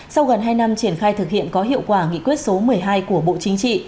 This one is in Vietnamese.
sau gần hai năm triển khai thực hiện có hiệu quả nghị quyết số một mươi hai của bộ chính trị